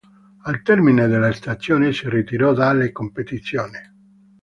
Al termine della stagione si ritirò dalle competizioni.